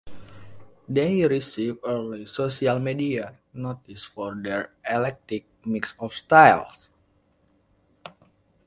They received early social media notice for their eclectic mix of styles.